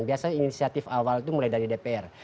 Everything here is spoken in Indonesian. biasanya inisiatif awal itu mulai dari dpr